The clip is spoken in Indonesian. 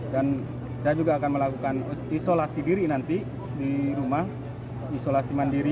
dan saya juga akan melakukan isolasi diri nanti di rumah isolasi mandiri